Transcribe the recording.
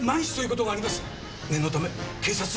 念のため警察に。